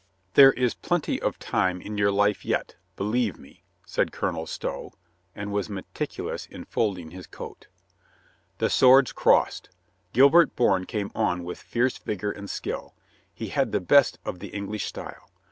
"There is plenty of time in your life yet, believe MR. BOURNE IS SORRY 113 me," said Colonel Stow, and was meticulous in fold ing his coat. The swords crossed. Gilbert Bourne came on with fierce vigor and skill. He had the best of the English style.